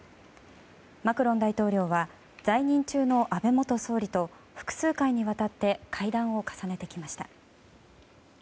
マクロン大統領は在任中の安倍元総理と複数回にわたって会談を重ねてきました。